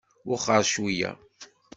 Wexxer cweyya.